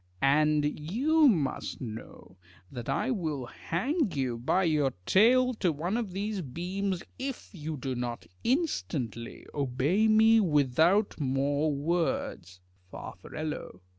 And you must know that I will hang you by the tail to one of these beams if you do not instantly obey me without more words. Far.